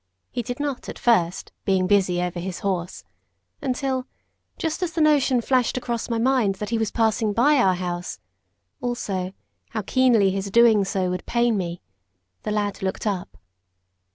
He did not at first, being busy over his horse; until, just as the notion flashed across my mind that he was passing by our house also, how keenly his doing so would pain me the lad looked up.